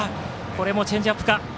これもチェンジアップか。